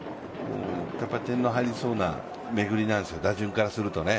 点の入りそうな巡りなんですよ、打順からすると。